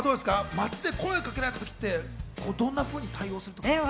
街で声をかけられたときってどんなふうに対応するんですか？